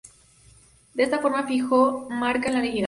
De esta forma fijó marca en la Liga.